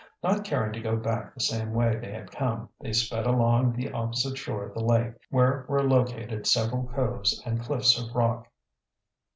Not caring to go back the same way they had come, they sped along the opposite shore of the lake, where were located several coves and cliffs of rock.